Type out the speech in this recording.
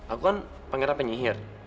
aku kan pengira penyihir